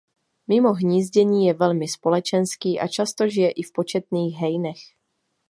Mimo hnízdění je velmi společenský a často žije i v početných hejnech.